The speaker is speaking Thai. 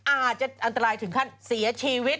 อาจจะอันตรายถึงขั้นเสียชีวิต